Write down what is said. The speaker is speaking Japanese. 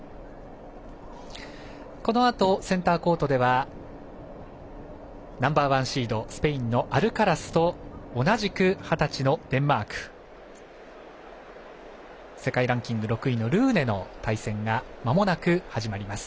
このあとセンターコートではナンバーワンシードスペインのアルカラスと同じく二十歳のデンマーク世界ランキング６位のルーネの対戦がまもなく始まります。